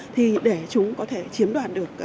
thì để chúng có thể chiếm đoạt được